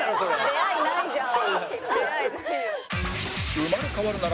出会いないじゃん。